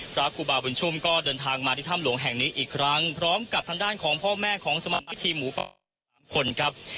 พระครูบาบุญชุมก็เดินทางมาที่ถ้ำหลวงแห่งนี้อีกครั้งพร้อมกับทางด้านของพ่อแม่ของสมัคคีหมูป่า๓คนครับ